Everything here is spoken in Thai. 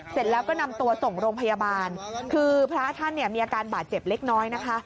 เสร็จแล้วก็นำตัวส่งโรงพยาบาลคือพระท่านเนี่ยมีอาการบาดเจ็บเล็กน้อยนะคะ